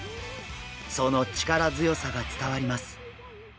その力強さが伝わります。